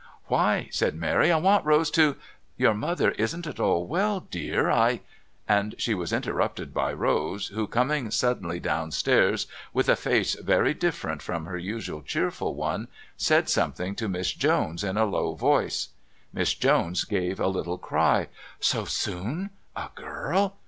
"Why?" said Mary. "I want Rose to " "Your mother isn't at all well, dear. I " And she was interrupted by Rose, who, coming suddenly downstairs, with a face very different from her usual cheerful one, said something to Miss Jones in a low voice. Miss Jones gave a little cry: "So soon?... A girl...."